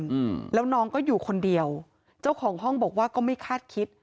อืมแล้วน้องก็อยู่คนเดียวเจ้าของห้องบอกว่าก็ไม่คาดคิด